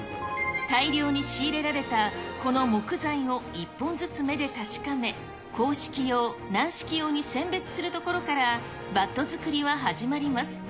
大量に仕入れられたこの木材を１本ずつ目で確かめ、硬式用、軟式用に選別するところから、バット作りは始まります。